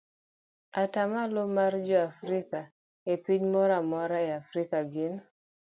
Atamalo mar joafrika e piny moro amora e Afrika gin